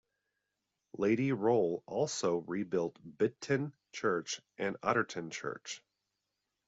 Lady Rolle also rebuilt Bicton Church and Otterton Church.